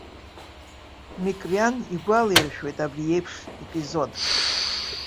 Микриан игәалаиршәоит абри еиԥш епизодк.